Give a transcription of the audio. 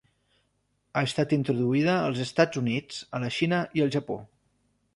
Ha estat introduïda als Estats Units, a la Xina i al Japó.